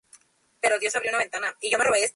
Amon ha recibido un buen número de honores y premios.